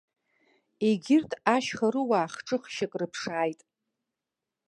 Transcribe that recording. Егьырҭ ашьхарыуаа хҿыхшьак рыԥшааит.